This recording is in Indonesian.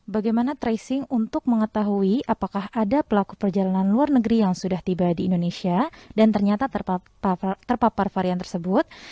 bagaimana tracing untuk mengetahui apakah ada pelaku perjalanan luar negeri yang sudah tiba di indonesia dan ternyata terpapar varian tersebut